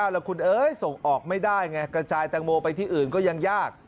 แล้วคุณเอ้ยส่งออกไม่ได้ไงกระจายแตงโมไปที่อื่นก็ยังยาก